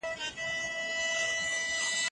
خلک به څه وايي دا اندېښنه باید له ذهنه لیرې کړو.